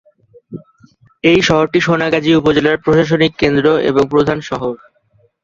এই শহরটি সোনাগাজী উপজেলার প্রশাসনিক কেন্দ্র এবং প্রধান শহর।